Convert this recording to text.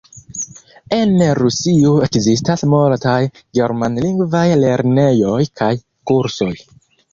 En Rusio ekzistas multaj germanlingvaj lernejoj kaj kursoj.